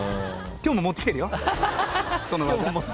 今日も持ってきてる。